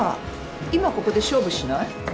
今ここで勝負しない？